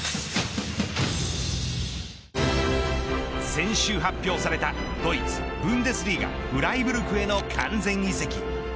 先週発表されたドイツブンデスリーガフライブルクへの完全移籍。